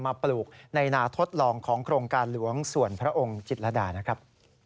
ปลูกในนาทดลองของโครงการหลวงส่วนพระองค์จิตรดานะครับ